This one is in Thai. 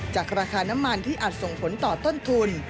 ราคาน้ำมันที่อาจส่งผลต่อต้นทุน